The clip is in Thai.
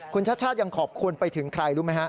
คุณชาติชาติยังขอบคุณไปถึงใครรู้ไหมฮะ